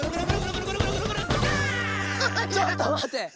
ちょっとまて！